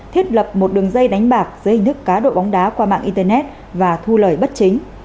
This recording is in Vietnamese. thiết lập một đường dây đánh bạc dưới hình thức cá độ bóng đá qua mạng internet và thu lời bất chính